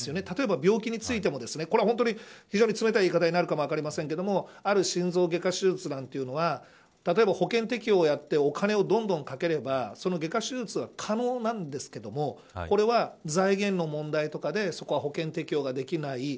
例えば、病気についてもこれは非常に冷たい言い方になるかもしれませんがある心臓外科手術なんていうのは例えば保険適用をやってお金をどんどんかければその外科手術は可能なんですけれどもこれは財源の問題とかでそれは保険適用ができない。